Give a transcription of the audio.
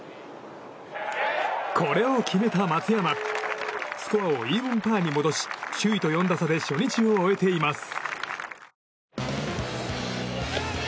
これを決めた松山スコアをイーブンパーに戻し首位と４打差で初日を終えています。